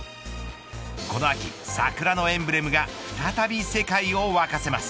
この秋、桜のエンブレムが再び世界を沸かせます。